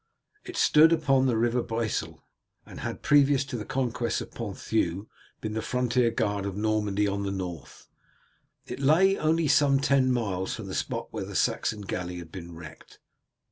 It stood upon the river Bresle, and had, previous to the conquest of Ponthieu, been the frontier guard of Normandy on the north. It lay only some ten miles from the spot where the Saxon galley had been wrecked.